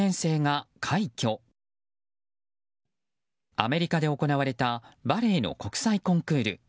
アメリカで行われたバレエの国際コンクール。